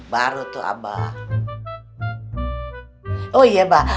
baru tuh abah